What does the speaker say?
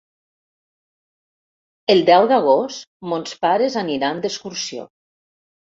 El deu d'agost mons pares aniran d'excursió.